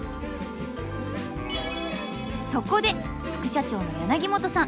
そこで副社長の柳本さん。